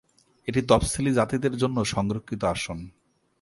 এটি তফসিলি জাতিদের জন্য সংরক্ষিত আসন।